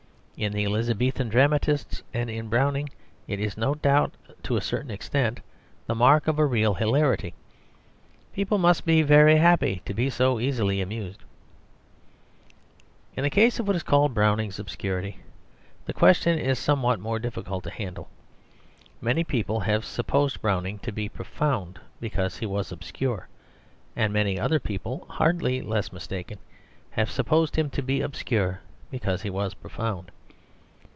In the Elizabethan dramatists and in Browning it is no doubt to a certain extent the mark of a real hilarity. People must be very happy to be so easily amused. In the case of what is called Browning's obscurity, the question is somewhat more difficult to handle. Many people have supposed Browning to be profound because he was obscure, and many other people, hardly less mistaken, have supposed him to be obscure because he was profound.